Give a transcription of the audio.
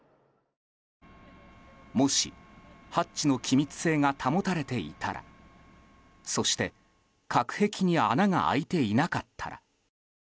もし、ハッチの気密性が保たれていたらそして、隔壁に穴が開いていなかったら。